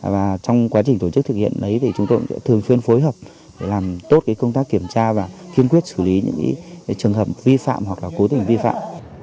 và trong quá trình tổ chức thực hiện đấy thì chúng tôi thường xuyên phối hợp để làm tốt công tác kiểm tra và kiên quyết xử lý những trường hợp vi phạm hoặc là cố tình vi phạm